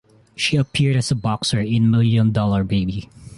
She appeared as a boxer in "Million Dollar Baby".